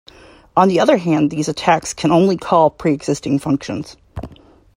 On the other hand these attacks can only call preexisting functions.